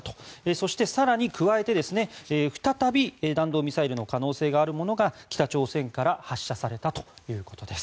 そして、更に加えて再び弾道ミサイルの可能性があるものが北朝鮮から発射されたということです。